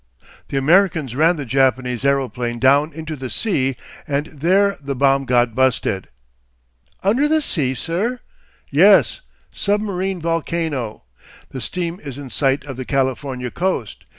'The Americans ran the Japanese aeroplane down into the sea and there the bomb got busted.' 'Under the sea, sir?' 'Yes. Submarine volcano. The steam is in sight of the Californian coast.